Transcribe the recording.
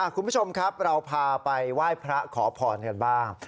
คุณผู้ชมครับเราพาไปไหว้พระขอพรกันบ้าง